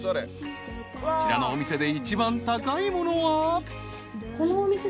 ［こちらのお店で一番高いものは］